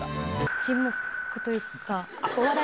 沈黙というか。